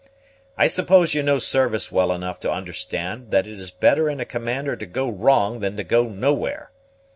I suppose you know service well enough to understand that it is better in a commander to go wrong than to go nowhere.